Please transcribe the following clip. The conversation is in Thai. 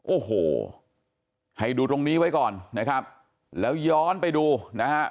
โอ้โหให้ดูตรงนี้ไว้ก่อนนะครับแล้วย้อนไปดูนะฮะ